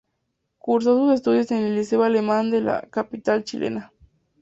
Cursó sus estudios en el Liceo Alemán de la capital chilena.